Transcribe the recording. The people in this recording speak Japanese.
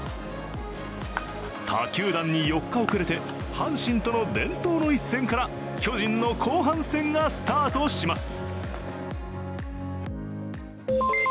他球団に４日遅れて阪神との伝統の一戦から巨人の後半戦がスタートします。